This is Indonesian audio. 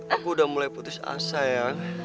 aku udah mulai putus asa ya